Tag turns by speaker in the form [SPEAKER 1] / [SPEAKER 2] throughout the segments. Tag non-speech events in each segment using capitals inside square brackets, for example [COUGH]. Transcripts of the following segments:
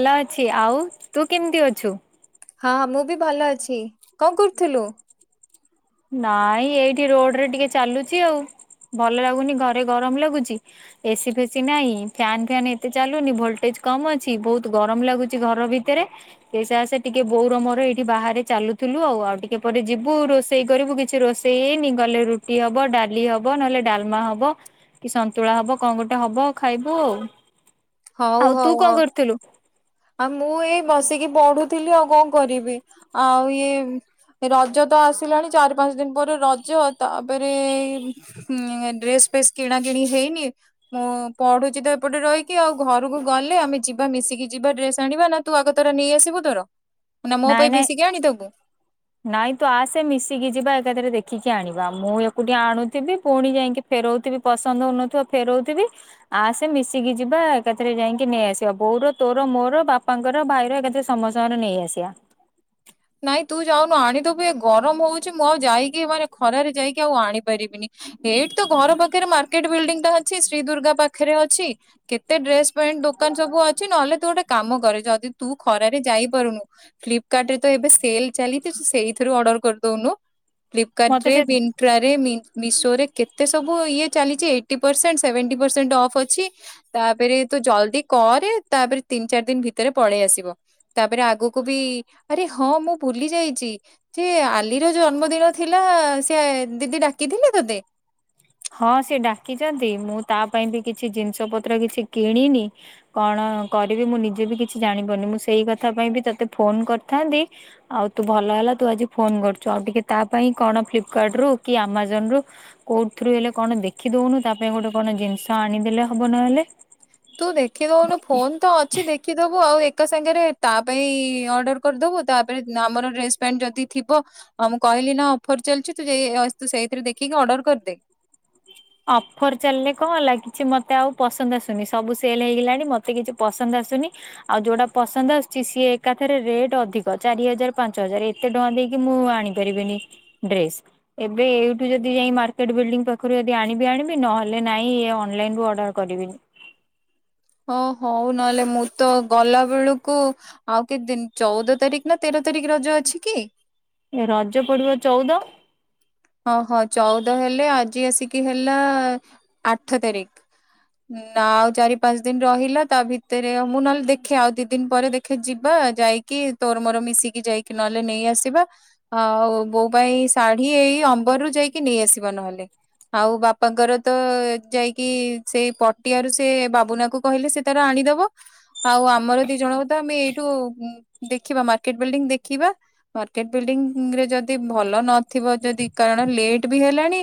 [SPEAKER 1] ଭଲ ଅଛି ଆଉ ତୁ କେମିତି ଅଛୁ?
[SPEAKER 2] ହଁ ମୁଁ ବି ଭଲ ଅଛି, କଣ କରୁଥିଲୁ?
[SPEAKER 1] ନାଇଁ ଏଇଠି ରୋଡରେ ଟିକେ ଚାଲୁଚି ଆଉ। ଭଲ ଲାଗୁନି ଘରେ ଗରମ ଲାଗୁଛି। ଏସି ଫେସି ନାଇଁ ଫ୍ୟାନ ଫ୍ୟାନ ଏତେ ଚାଲୁନି, ଭୋଲଟେଜ କମ ଅଛି, ବହୁତ ଗରମ ଲାଗୁଛି ଘର ଭିତରେ। ସେ ସକାଶେ ଟିକେ ବୋଉର ମୋର ଏଇଠି ବାହାରେ ଚାଲୁ ଥିଲୁ, ଆଉ ଆଉ ଟିକେ ପରେ ଯିବୁ ରୋ ଷେଇ ଇ କରିବୁ କିଛି ରୋଷେଇ ହେଇନି, ଗଲେ ରୁଟି ହବ, ଡାଲି ହବ ନହେଲେ ଡାଲମା ହବ। କି ସନ୍ତୁଳା ହବ, କଣ ଗୋଟେ ହବ ଖାଇବୁ ଆଉ।
[SPEAKER 2] ହଉ
[SPEAKER 1] ଆଉ ତୁ
[SPEAKER 2] ହଉ
[SPEAKER 1] କଣ
[SPEAKER 2] ହଉ
[SPEAKER 1] କରୁଥିଲୁ?
[SPEAKER 2] ଆଉ ମୁଁ ଏଇ ବସିକି ପଢୁଥିଲି। ଆଉ କଣ କରିବି ଆଉ ଇଏ ରଜ ତ ଆସିଲାଣି, ଚାରି ପାଞ୍ଚ ଦିନ ପରେ ରଜ ତାପରେ ଏ ଡ୍ରେସ୍ ଡ୍ରେସ୍ କିଣା କିିଣି ହେଇନି, ମୁଁ ପଢୁଛି ତ ଏପଟେ ରହିକି ଆଉ ଘରକୁ ଗଲେ ଆମେ ଯିବା ମିଶିକି। ଯିବା ଡ୍ରେସ ଆଣିବା, ନା ତୁ ଆଗତୁରା ନେଇ ଆସିବୁ ତୋର ନା ମୋ
[SPEAKER 1] ନାଇଁ
[SPEAKER 2] ପାଇଁ
[SPEAKER 1] ନାଇଁ
[SPEAKER 2] ମିଶିକି ଆଣିଦବୁ।
[SPEAKER 1] ନାଇଁ ତୁ ଆସେ ମିଶିକି ଯିବା ଏକାଥରେ ଦେଖିକି ଆଣିବା, ମୁଁ ଏକୁଟିଏ ଆଣୁଥିବି ପୁଣି ଯାଇକି ଫେର ନଉଥିବି ପସନ୍ଦ ହଉନଥିବ ଫେରଉଥିବି ଆସେ ମିଶିକି ଯିବା, ଏକାଥରେ ଯାଇକି ନେଇ ଆସିବା ବୋଉର ତୋର ମୋର ବାପାଙ୍କର ଭାଇର ଏକାଥିରେ ସମସ୍ତଙ୍କର ନେଇ ଆସିବା।
[SPEAKER 2] ନାଇଁ ତୁ ଯାଉନୁ ଆଣିଦବୁ, ଏ ଗରମ ହଉଛି ମୁଁ ଆଉ ଯାଇକି ମାନେ ଖରାରେ ଯାଇକି ଆଉ ଆଣିପାରିବିନି। ଏଇଠି ତ ଘର ପାଖରେ ମାର୍କେଟ ବିଲଡିଙ୍ଗ ଟା ଅଛି, ଶ୍ରୀ ଦୁର୍ଗା ପାଖରେ ଅଛି କେତେ ଡ୍ରେସ ଦୋକାନ ସବୁ ଅଛି ନହେଲେ, ତୁ ଗୋଟେ କାମ କରେ ଯଦି ତୁ ଖରାରେ ଯାଇପାରୁନୁ ଫ୍ଲିପକାର୍ଟ ରେ ତ ଏବେ ସେଲ ଚାଲିଛି ତୁ ସେଇଥିରୁ ଅର୍ଡର କରିଦଉନୁ, ଫ୍ଲିପକାର୍ଟ
[SPEAKER 1] ମତେ
[SPEAKER 2] ରେ
[SPEAKER 1] ସେ
[SPEAKER 2] ମିନ୍ତ୍ରା ରେ ମିଶୋରେ କେତେ ସବୁ ଇଏ ଚାଲିଛି eighty percent seventy percent off ଅଛି ତାପରେ ତୁ ଜଲଦି କରେ ତାପରେ, ତିନି ଚାରି ଦିନ ଭିତରେ ପଳେଇ ଆସିବ ତାପରେ ଆଗକୁ ବି ଆରେ ହଁ ମୁଁ ଭୁଲି ଯାଇଛି, ଯେ ଆଲିର ଜନ୍ମଦିନ ଥିଲା ସେ ଦିଦି ଡାକି ଥିଲେ ତୋତେ
[SPEAKER 1] ହଁ ସେ ଡାକିଛନ୍ତି ମୁଁ ତା ପାଇଁ ବି କିଛି ଜିନିଷ ପତ୍ର କିଛି କିଣିନି କଣ କଣ କରିବି ମୁଁ ନିଜେ ବି କିଛି ଜାଣିପାରୁନି ମୁଁ ସେଇ କଥା ପାଇଁ ତତେ ଫୋନ କରିଥାନ୍ତି ଆଉ ତୁ ଭ ଭଲ ହେଲା ତୁ ଆଜି ଫୋନ କରିଛୁ ଆଉ ଟିକେ ତା ପାଇଁ କଣ ଫ୍ଲିପକାର୍ଟ ରୁ କି ଆମାଜନ ରୁ କୋ ରୁ ହେଲେ କଣ ଦେଖି ଦଉନୁ ତା ପାଇଁ ଗୋଟେ କଣ ଜିନିଷ ଆଣିଦେଲେ ହବ ନହେଲେ।
[SPEAKER 2] ତୁ ଦେଖିଦଉୁନୁ ଫୋନ ତ ଅଛି ଦେଖିଦବୁ ଆଉ ଏ ଏକ ସାଙ୍ଗରେ ତା ପାଇଁ ଅର୍ଡର କରିଦବୁ ତାପରେ ଆମର ଡ୍ରେସ୍ ପେଣ୍ଟ ଯଦି ଥିବ ଆଉ ମୁଁ କ କହିଲ ନା ଅଫର ଚାଲିଛି ତୁୁ ଏ ସେଇଥିରେ ଦେଖିକି ଅର୍ଡର କରିଦେ।
[SPEAKER 1] [UNINTELLIGIBLE] ଅଫର ଚାଲିଲେ କଣ ହେଲା କିଛି ମତେ ଆଉ ପସନ୍ଦ ଆସୁନି ସବୁ ସେଲ ହେଇଗଲାଣି ମତେ କିଛି ପସନ୍ଦ ଆ ଆସୁନି ଆଉ ଯୋଉଟା ପସନ୍ଦ ଆସୁଛି ସି ଏକାଥରେ ରେଟ ଅଧିକ ଚାରି ହଜାର ପାଞ୍ଚ ହଜାର ଏତେ ଟଙ୍କା ଦେଇ ଦେଇକି ମୁଁ ଆଣିପାରିବିନି ଡ୍ରେସ ଏବେ ଏଇଠୁ ଯଦି ଯାଇ ମାର୍କେଟ ବିଲ୍ଡିଙ୍ଗ ପାଖରୁ ଆଣିବି ଆଣିବି ନହେଲେ ନାଇଁ ଅନଲାଇନ ରୁ ଅର୍ଡର କରିବିନି।
[SPEAKER 2] ହଁ ହଉ ନହେଲେ ମୁଁ ତ ଗଲା ବେଳକୁ ଆଉ କି ଦିନ ଚଉଦ ତାରିଖ ନା ତେର ତାରିଖ ରଜ ଅଛି କି?
[SPEAKER 1] ଏ ରଜ ପଡିବ ଚଉଦ।
[SPEAKER 2] ହଁ ହଁ ଚଉଦ ହେଲେ ଆଜି ଆସିକି ହେଲା ଆଠ ତାରିଖ। ନା ଆଉ ଚାରି ପାଞ୍ଚ ଦିନ ରହିଲା ତା ଭିତରେ ମୁଁ ନହେଲେ ଦେଖେ ଆଉ ଦି ଦିନ ପରେ ଦେଖେ ଯିବା ଯାଇକି ତୋର ମୋର ମିଶିକି ଯାଇକି ନହେଲେ ନେଇ ଆସିବା ଆଉ ବୋଉ ପାଇଁ ଶାଢୀ ଏଇ ଅମ୍ବରରୁୁ ଯାଇକି ନେଇ ଆସିବା ନହେଲେ। ଆଉ ବାପାଙ୍କର ତ ଯାଇକି ସେଇ ପଟିଆରୁ ସେ ବାବୁନା କ କହିଲେ ସେ ତାର ଆଣି ଦେବ। ଆଉ ଆମର ଦି ଜଣ କ ତ ଆମେ ଏଇଠୁ ଦେଖିବା ମାର୍କେଟ ବିଲ୍ଡିଙ୍ଗ ଦେଖିବା ମାର୍କେଟ ବିଲ୍ଡିଙ୍ଗ ରେ ଯଦି ଭଲ ନଥିବ ଯଦି କାରଣ ଲେଟ୍ ବି ହେଲାଣି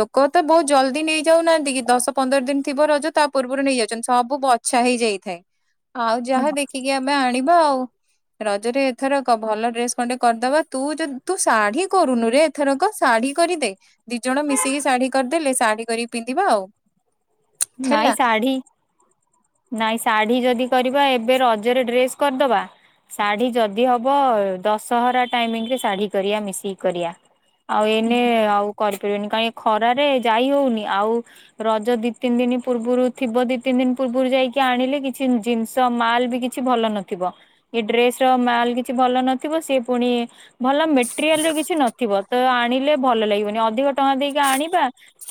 [SPEAKER 2] ଲୋକ ତ ବହୁତ ଜଲଦି ନେଇଯାଉନାହାନ୍ତି କି ଦଶ ପନ୍ଦର ଦିନ ଥିବ ରଜ ତା ତା ପୂର୍ବରୁ ନେଇଯାଉଛନ୍ତି ସବୁ ବଛା ହେଇଯାଇଥାଏ ଆଉ ଯାହା ଦେଖିକି ଆମେ ଆଣିବା ଆଉ। ରଜରେ ଏଥରକ ଭଲ ଡ୍ରେସ କଣ୍ଡେ କରିଦବା ତୁ ଯଦି ତୁ ଶାଢୀ କରୁନୁ ରେ ଏଥରକ? ଶାଢୀ କରିଦେ ଦି ଜଣ ମିଶିକି ଶାଢୀ କରିଦେଲେ ଶାଢୀ କରିକି ପିନ୍ଧିବା ଆଉ।
[SPEAKER 1] ନାଇ
[SPEAKER 2] ହେଲା।
[SPEAKER 1] ଶାଢ଼ୀ ନାଇଁ ଶାଢୀ ଯଦି କରିବା ଏବେ ରଜରେ ଡ୍ରେସ୍ କରିଦବା? ଶାଢୀ ଯଦି ହବ ଦଶହରା ଟାଇମିଂ ରେ ଶାଢୀ କରିବା ମିଶିକି କରିବା। ଆଉ ଏଇନେ ଆଉ କରିପାରିବନି କାହିଁ ଖରାରେ ଯାଇ ହଉନି ଆଉ ରଜ ଦି ଦି ତିନି ଦିନ ପୂର୍ବରୁ ଥିବ ଦି ତିନି ଦିନ ପୂର୍ବରୁ ଯାଇକି ଆଣିଲେ କିଛି ଜିନିଷ ମାଲ ବି କିଛି ଭଲ ନଥିବ। ଥିବ ଏ ଡ୍ରେସ ର ମାଲ କିଛି ଭଲ ନଥିବ ସେ ପୁଣି ଭଲ ମେଟେରିଆଲ ର କିଛି ନଥିବ ତ ଆଣିଲେ ଭଲ ଲାଗିବନି ଅଧିକ ଟଙ୍କା ଦେଇକି ଆଣିବା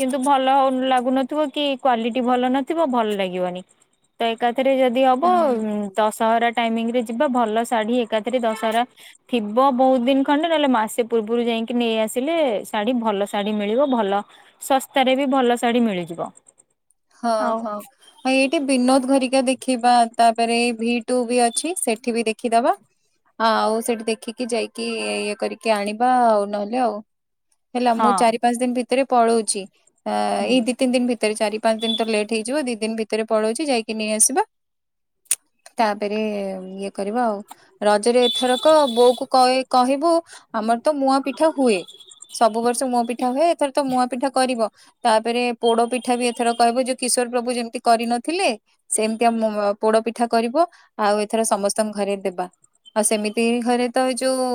[SPEAKER 1] କିନ୍ତୁ ଭଲ ହଉ ଲାଗୁନଥିବ କି କ୍ୱାଲିଟୀ ଭଲ ନଥିବ ଭଲଲାଗିବନି ତ ଏକାଥରେ ଯଦି ହବ
[SPEAKER 2] ହୁଁ
[SPEAKER 1] ଦଶହରା ଟା ଟାଇମିଙ୍ଗ ରେ ଯିବା ଭଲ ଶାଢୀ ଏକାଥରେ ଦଶହରା ଥିବ ବହୁତ ଦିନ ଖଣ୍ଡେ ନହେଲେ ମାସେ ପୂର୍ବରୁ ଯାଇ ଯାଇକି ନେଇ ଆସିଲେ ଶାଢୀ ଭଲ ଶାଢୀ ମିଳିବ ଭଲ ଶସ୍ତାରେ ବି ଭଲ ଶାଢୀ ମିଳିଯିବ।
[SPEAKER 2] ହଁ
[SPEAKER 1] ଆଉ
[SPEAKER 2] ହଁ ଏଇଠି ବିନୋଦ ଘରିକା ଦେଖିବା ତାପରେ ଭି ଟୁ ବି ଅଛି ସେଠି ବି ଦେଖିଦବା। ହଁ ଆଉ ସେଠି ଦେଖିକି ଯାଇକି ଇଏ କରିକି ଆଣିବା ଆଉ ନହେଲେ ଆଉ। ହେଲା ମୁଁ
[SPEAKER 1] ହଁ
[SPEAKER 2] ଚାରି ପାଞ୍ଚ ଦିନ ଭିତରେ ପଳଉଛି
[SPEAKER 1] ହୁଁ
[SPEAKER 2] ଏଇ ଦି ତିନି ଦିନ ଭିତରେ ଚାରି ପାଞ୍ଚ ଦିନ ତ ଲେଟ୍ ହେଇଯିବ ଦି ଦିନ ଭିତରେ ପଳଉଛି ଯାଇକି ନେଇଆସିବା।
[SPEAKER 1] [INAUDIBLE]
[SPEAKER 2] ତାପରେ ଇଏ କରିବା ଆଉ ରଜରେ ଏଥରକ ବୋଉକୁ କ କହିବୁ ଆମର ତ ମୁଆଁ ପିଠା ହୁଏ ସବୁ ବର୍ଷ ମୁଆଁ ପିଠା ହୁଏ ଏଥର ତ ମୁଆଁ ପିଠା କରିବ। ତାପରେ ପୋଡ ପିଠା ବି ଏ ଏଥର କହିବ ଯେ କିଶୋର ପ୍ରଭୁ ଯେମତି କରିନଥିଲେ ସେମିତି ଆ ପୋଡ ପିଠା କରିବ ଆଉ ଏଥର ସମସ୍ତଙ୍କ ଘରେ ଦେବା। ଆଉ ସେମିତି ଘରେ ତ ଏ ଯୋଉ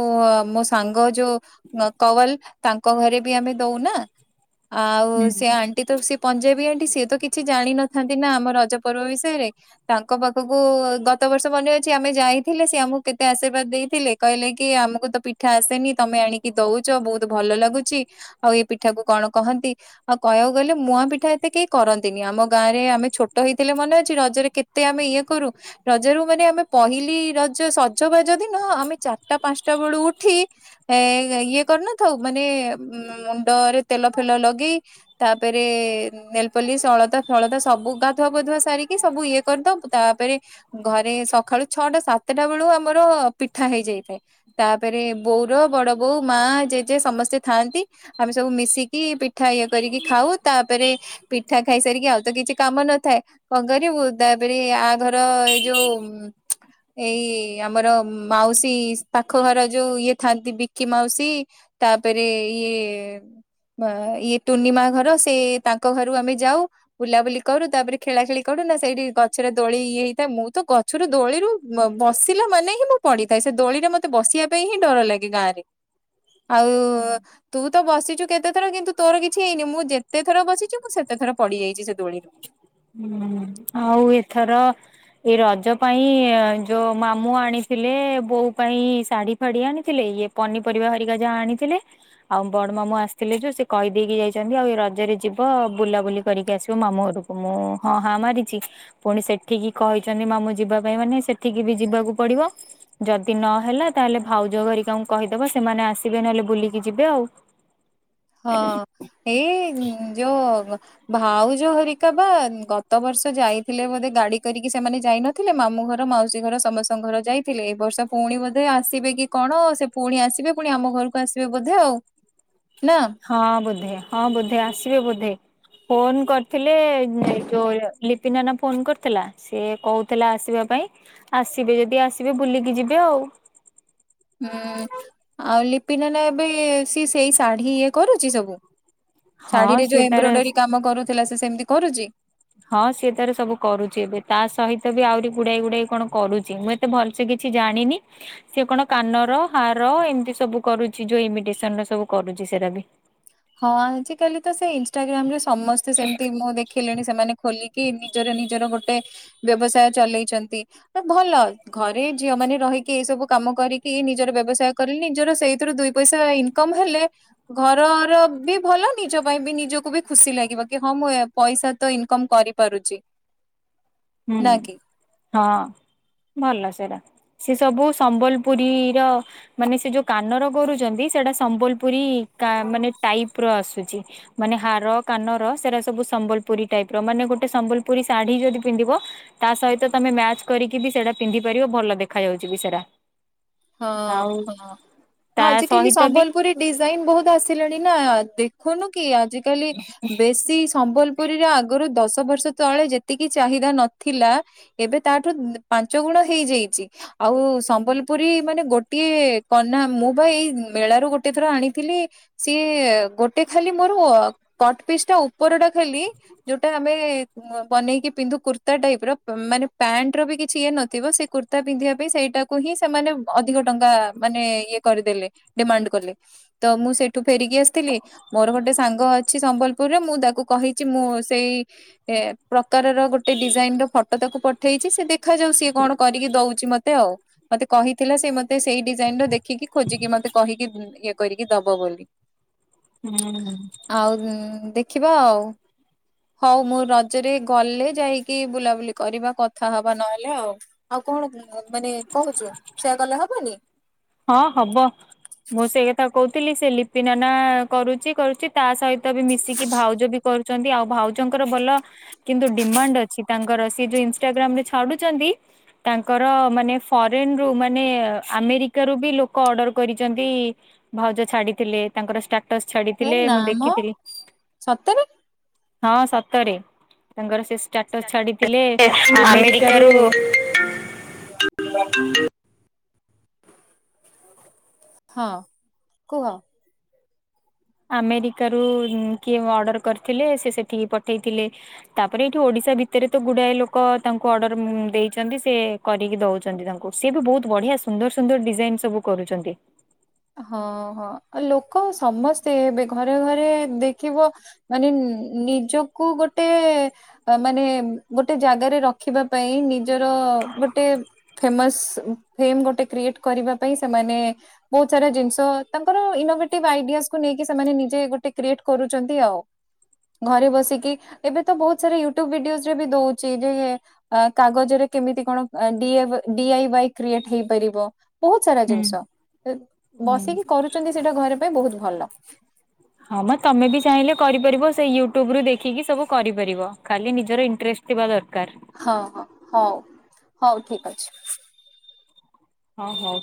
[SPEAKER 2] ମୋ ସାଙ୍ଗ ଯୋଉ ନ କୱଲ ତାଙ୍କ ଘରେ ବି ଆମେ ଦଉନା।
[SPEAKER 1] ହ [INAUDIBLE]
[SPEAKER 2] ଆଉ ସେ ଆଣ୍ଟି ତ ସିଏ ପଞ୍ଜେଇ ସଏ ତ କିଛି ଜାଣିିନଥାନ୍ତି ନା ଆମ ରଜ ପର୍ବ ବିଷୟରେ ତାଙ୍କ ପାଖକୁ ଗତ ବର୍ଷ ମନେ ଅଛି ଆମେ ଯାଇଥିଲେ ସେ ଆମକୁ କେତେ ଆଶୀର୍ବାଦ ଦେଇଥିଲେ କହିଲେ କି ଆମକୁ ତ ପିଠା ଆସନି ତମେ ଆଣିକି କଛ ବହୁତ ଭଲ ଲାଗୁଛି ଆଉ ଏ ପିଠା କ କଣ କହନ୍ତି ଆଉ କହିବାକୁ ଗଲେ ମୁୂଆ ପିଠା ତେ କେହି କରନ୍ତିନି ଆମ ଗାଁ ରେ ଆମେ ଛୋଟ ହେଇଥିଲେ ମନେ ଅଛି ରଜରେ କେତେ ଆମେ ଇଏ କରୁ ରଜରୁ ମାନେ ଆମେ ପହିଲି ରଜ ସଜବାଜ ଦିନ ଆମେ ଚାରିଟା ପାଞ୍ଚଟା ବେଳୁ ଉଠି ଏ ଇଏ କରିନଥାଉ ମାନେ ମୁଣ୍ଡରେ ତେଲ ଫେଲ ଲଗେଇ ତାପରେ ନେଲପଲିସ୍ ଅ ଳତା ଫଳତା ସବୁ ଗାଧୁଆ ପାଧୁଆ ସାରିକି ସବୁ ଇଏ କରିଦଉ ତାପରେ ଘରେ। ସକାଳୁ ଛଅଟା ସାତଟା ବେଳୁ ଆମର ପିଠା ହେଇଯାଇଥାଏ ତାପରେ ବୋଉର ବଡ ବୋଉ। ଉ ମା ଜେଜେ ସମସ୍ତେ ଥାଆନ୍ତି ଆମେ ସବୁ ମିଶିକି ପିଠା ଇଏ କରିକି ଖାଉ ତା ତାପରେ ପିଠା ଖାଇ ସାରିକି ଆଉ ତ କିଛି କାମ ନଥାଏ କଣ କରିବୁ ତାପରେ ଆ ଘର ଏ ଯଉ। ଏଇ ଆମର ମାଉସୀ ପାଖ ଘର ଯୋଉ ଇଏ ଥାନ୍ତି ବିକି ମାଉସୀ। ତାପରେ ଇଏ ଇଏ ଟୁନିମା ଘର ର ସେ। ତାଙ୍କ ଘରୁ ଆମେ ଯାଉ ବୁଲାବୁଲି କରୁ ତାପରେ ଖେଳା ଖେଳି କରୁ ନା ସେଇଠି ଗଛରେ ଦୋଳି ଇଏ ହେଇଥାଏ ମୁଁ ତ ଗଛରୁ ଦୋଳି ବସିଲା ମାନେ ହିଁ ମୁଁ ପଡିଥାଏ ସେ ଦୋଳିରେ ମତେ ବସିବା ପାଇଁ ହିଁ ଡର ଲାଗେ ଗାଁ ରେ। ଆଉ ତୁ ତ ବସିଛୁ କେତେ ଥର କିନ୍ତୁ ତୋର କିଛି ହେଇନି ମୁଁ ଯେତେ ଥର ବସିଛି ସେତ ଥର ପଡିଯାଇଛି। ଦୋଳିରେ
[SPEAKER 1] ହୁଁ ଆଉ ଏଥର ଏ ରଜ ପାଇଁ ଯୋଉ ମାମୁଁ ଆଣିଥିଲେ ବୋଉ ପାଇଁ ଶାଢୀ ଫାଡି ଆଣିଥିଲେ। ଇଏ ପନିପରିବା ହରିକା ଯାହା ଆଣିଥିଲେ ଆଉ ବଡ ମାମୁଁ ଆସିଥିଲେ ଯୋଉ ସେ କହିଦେଇକି ଯାଇଛନ୍ତି ଆଉ। ମଜରେ ଯିବ ବୁଲାବୁଲି କରିକି ଆସିବ ମାମୁଁ ଘରୁ ମୁଁ ହଁ ହଁ ମାରିଛି ପୁଣି ସେଠିକି କହିଛନ୍ତି ମାମୁ ଯିବା ପାଇଁ ମାନେ ସେଠିକି ବି ଯିବାକୁ। ପଡିବ ଯଦି ନହେଲା ତାହେଲେ ଭାଉଜ କରରିକାଙ୍କୁ କହିଦବ ସେମାନେ ଆସିବେ ନହେଲେ ବୁଲିକି ଯିବେ ଆଉ। ହ [INAUDIBLE]
[SPEAKER 2] ହଁ ଏଇ ଯୋଉ। ଭାଉଜ ହରିକା ବା ଗତ ବର୍ଷ ଯାଇଥିଲେ ବୋଧେ ଗାଡି କରିକି ସେମାନେ ଯାଇ ନଥିଲେ ମାମୁ ଘର ମାଉସୀ ଘର ସମସ୍ତଙ୍କ ଘର ଯାଇଥିଲେ ଏଇ ବର୍ଷ ପୁଣି ବୋଧେ ଆସିବେ କି କଣ ସେ ପୁଣି ଆସିବେ ପୁଣି। ତମ ଘରକୁ ଆସିବେ ବୋଧେ ଆଉ। ନା
[SPEAKER 1] ହଁ ବଧେ ହଁ ବଧେ ଆସିବେ ବଧେ ଫୋନ କରି ହେଲେ ଜୋ ୟ ନାନା ଫୋନ କରିଥିଲା ସିଏ କହୁଥିଲା ଆସିବା ପାଇଁ ଆସିବେ ଯଦି ଆସିବେ ବୁଲିକି ଯିବେ ଆଉ। ହ [INAUDIBLE]
[SPEAKER 2] ହୁଁ ଆଉ ଲିପି ନନା ଏବେ ସି ସେଇ ଶାଢୀ ଇଏ କରୁଛି ସବୁ।
[SPEAKER 1] ହଁ
[SPEAKER 2] ଶାଢୀରେ
[SPEAKER 1] ସିଏ
[SPEAKER 2] ଯୋଉ
[SPEAKER 1] ତାର
[SPEAKER 2] ଏମ୍ବ୍ରୋଏଡରୀ କାମ କରୁଥିଲା ସେ ସେମିତି କରୁଛି?
[SPEAKER 1] ହଁ ସିଏ ତାର ସବୁ କରୁଛି ଏବେ ତା ସହିତ ବି ଆହୁରି ଗୁଡାଇ ଗୁଡାଇ କଣ କରୁଛି ମୁଁ ଏତେ ଭଲସେ କିଛି କିଛି ଜାଣିନି ସେ କଣ କାନର ହାର ଏମିତି ସବୁ କରୁଛି ଯୋଉ ଇମିଟେସନ ର ସବୁ କରୁଛି। ସେରା ବି
[SPEAKER 2] ହଁ ଆଜିକାଲି ତ ସେ ଇନସଷ୍ଟାଗ୍ରାମ ରେ ସମସ୍ତେ ସେମିତି ମୁଁ ଦେଖିଲିଣି। ସେମାନେ ଖୋଲିକି ନିଜର ନିଜର ଗୋଟେ ବ୍ୟବସାୟ ଚଲେଇଛନ୍ତି ଭଲ ଘରେ ଝିଅ ମାନ ରହିକି ଏଇ ସବୁ କାମ କରିକି ନିଜର ବ୍ୟବସାୟ କଲେ ନିଜର ସେଇଥିରୁ ଦୁଇ ପଇସା ଇନକମ ହେଲେ ଘରର ବି ଭଲ ନିଜ ପାଇଁ ବି ନିଜକୁ ବି ଖୁସି ଲାଗିବ କି ହଁ ମୁଁ ପଇସା ତ ଇନକମ କରିପାରୁଛି।
[SPEAKER 1] ହୁଁ
[SPEAKER 2] ନା କି?
[SPEAKER 1] ହଁ। ଭଲ ସେଟା ସେ ସବୁ ସମ୍ବଲପୁରୀର ମାନେ ସେ ଯୋଉ କାନର ଗରୁଛନ୍ତି? ସେଟା ସମ୍ବଲପୁରୀ ମାନେ ଟାଇପ ର ଆସୁଛି ମାନେ ହାର କାନର ସେରା ସବୁ। ସମ୍ବଲୁରୀ ଟାଇପ ର ମାନେ ଗୋଟେ ସମ୍ବଲପୁରୀ ଶାଢୀ ଯଦି ପିନ୍ଧିବ ତା ସହିତ ତମେ ମ୍ୟାଚ କରିକି ବି ସେଟା ପିନ୍ଧି ପାରିବ ଭଲ ଦେଖା ଯାଉଚି ବି ସେଟା।
[SPEAKER 2] ହଁ ହଁ।
[SPEAKER 1] ତା
[SPEAKER 2] ଆଜିକାଲି
[SPEAKER 1] ସହିତ ବି
[SPEAKER 2] ସମ୍ବଲପୁରୀ ଡିଜାଇନ ବହୁତ ଆସିଲାଣି ନା ଦେ ଦେଖୁନୁ କି ଆଜିକାଲି ବେଶୀ ସମ୍ବଲପୁରୀରେ ଆଗରୁ ଦ ଦଶ ବର୍ଷ ତଳେ ଯେତିକି ଚାହିଦା ନଥିଲା ଏବେ ତାଠୁ ପାଞ୍ଚ ଗୁଣ ହେଇଯାଇଚି। ଆଉ ସମ୍ବଲ ପୁରୀ ମାନେ ଗୋଟିଏ କନା ମୁଁ ଭାଇ ମେଳାରୁ ଗୋଟିଏ ଥର ଆଣିଥିଲି ସିଏ ଗୋଟେ ଖାଲି ମୋର କଟ ପିସ୍ ଟା ଉପର ଟା ଖାଲି ଯୋଉଟା ଆମେ ବନେଇକି ପିନ୍ଧୁ କୁର୍ତ୍ତା ଟାଇପ ର ମାନେ ପ୍ୟାଣ୍ଟ ର ବି କିଛି ଇଏ ନଥିବ ସେ କୁର୍ତ୍ତା ପିନ୍ଧିବା ପାଇଁ ସେଇଟାକୁ ହିଁ ସେମାନେ ଅଧିକ ଟଙ୍କା ମାନେ ଇଏ କରିଦେଲେ ଡିମାଣ୍ଡ କଲେ ତ ମୁଁ ସେଇଠୁ ଫେରିକି ଆସିଥି ଲି ମୋର ଗୋଟେ ସାଙ୍ଗ ଅଛି ସମ୍ବଲପୁରରେ ମୁଁ ତାକୁ କହିଚି ମୁଁ ସେଇ ପ୍ରକାର ର ଗୋଟେ ଡିଜାଇନ ର ଫଟୋ ତାକୁ ପଠେଇଛି ସେ ଦେଖାଯାଉ ସିଏ କଣ କରିକି ଦଉଚି ମତେ ଆଉ। ମତେ କହିଥିଲା ସେ ମତେ ସେଇ ଡିଜାଇନ୍ ର ଦେଖିକି ଖୋଜିକି ମତେ କହିକି ଇଏ କରିକି ଦବ ବୋଲି।
[SPEAKER 1] ହୁଁ
[SPEAKER 2] ଆଉ ଦେଖିବା ଆଉ। ହଉ ମୁଁ ରଜରେ ଗଲେ ଯାଇକି ବୁଲାବୁଲି କରିବା କଥା ହବା ନହେଲେ ଆଉ। କଣ ମାନେ କହୁଚୁ ସେଇୟା କଲେ ହବନି।
[SPEAKER 1] ହଁ ହବ ମୁଁ ସେଇ କଥା କହୁଥିଲି ସେ ଲିପି ନନା କରୁଚି କରୁଚି ତା ସଇ ତ ବି ମିଶିକି ଭାଉଜ ବି କରୁ ଚନ୍ତି ଆଉ ଭାଉଜଙ୍କର ଭଲ କିନ୍ତୁ ଡିମାଣ୍ଡ ଅଛି ତାଙ୍କର ସେ ଯୋଉ ଇନଷ୍ଟାଗ୍ରାମ ରେ ଛାଡୁଛନ୍ତି। ତାଙ୍କର ମାନେ ଫରେନ୍ ରୁ ମାନେ ଆମେରି କା ରୁ ବି ଲୋକ ଅର୍ଡର କରିଛନ୍ତି ଭାଉଜ ଛାଡିଥିଲେ ତାଙ୍କର ଷ୍ଟା ଷ୍ଟାଟସ୍
[SPEAKER 2] ହେ
[SPEAKER 1] ଛାଡିଥିଲେ
[SPEAKER 2] ନା
[SPEAKER 1] ମୁଁ
[SPEAKER 2] ମ
[SPEAKER 1] ଦେଖିଥିଲି।
[SPEAKER 2] ସତରେ।
[SPEAKER 1] ହଁ ସତରେ ତାଙ୍କର ଶେଷ ଟାଟସ ଛାଡିଥିଲେ ଆମେରିକା ରୁ
[SPEAKER 2] ଆମେରିକାରୁ ହଁ କୁହ।
[SPEAKER 1] ଆମେରିକା ରୁ କିଏ ଅର୍ଡର କରିଥିଲେ ସେ ସେଠିକି ପଠେଇଥିଲେ ତାପରେ ଏଠୁ ଓଡ଼ି ସା ଭିତରେ ତ ଗୁଡାଏ ଲୋକ ତାଙ୍କୁ ଅର୍ଡର ଦେଇଚନ୍ତି। ସେ କରିକି ଦଉଚନ୍ତି ତାଙ୍କୁ ସି ବି ବହୁତ ବ ବଢିଆ ସୁନ୍ଦର ସୁନ୍ଦର ଡିଜାଇନ୍ ସବୁ କରୁଚନ୍ତି।
[SPEAKER 2] ହଁ ହଁ ଆଉ ଲୋକ ସମସ୍ତେ ଏବେ ଘରେ ଘରେ ଦେଖିବ ମାନେ ନିଜ କୁ ଗୋଟେ ମାନେ ଗୋଟେ ଜାଗାରେ ରଖିବା ପାଇଁ ନି ନିଜର ଗୋଟେ ଫେମସ୍ ଫ୍ରେମ୍ ଗୋଟେ କ୍ରିଏଟ କରିବା ପାଇଁ ସେମାନେ ବହୁତ ସାରା ଜିନିଷ ତାଙ୍କର ଇନୋଭେଟିଭ୍ ଆଇଡିଆସକୁୁ ନେଇକି ସେମାନେ ନିଜେ ଗୋଟେ କ୍ରିଏଟ୍ କରୁଚନ୍ତି ଆଉ। ଘରେ ବସିକି ଏବେ ତ ବହୁତ ସାରା ୟୁଟ୍ୟୁବ୍ ଭିଡିଓରେ ବି ଦଉଚି ଯେ କାଗଜରେ କେମିତି କଣ ଡିଏଭ ଡିଆଇ ୱାଇ କ୍ରିଏଟ ହେଇପାରିବ। ବହୁତ ସାରା
[SPEAKER 1] ହୁଁ
[SPEAKER 2] ଜିନିଷ
[SPEAKER 1] ହୁଁ।
[SPEAKER 2] ବସିକି କରୁଚନ୍ତି ସେଇଟା ଘରେ ପାଇଁ ବହୁତ ଭଲ।
[SPEAKER 1] ହଁ ମ ତମେ ବି ଚାହିଁଲେ କରିପାରିବ ସେଇ ୟୁଟ୍ୟୁବ ରୁ ଦେଖିକି ସବୁ କରିପାରିବ ଖାଲି ନିଜର ଇଣ୍ଟ୍ରେ ଷ୍ଟ ଥିବା ଦରକାର।
[SPEAKER 2] ହଁ ହଁ ହଉ ହଉ ଠିକ୍ ଅଛି।
[SPEAKER 1] ହଁ ହଉ।